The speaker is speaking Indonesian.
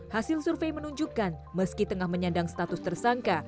hasil survei menunjukkan meski tengah menyandang status tersangka